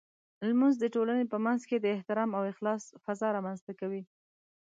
لمونځ د ټولنې په منځ کې د احترام او اخلاص فضاء رامنځته کوي.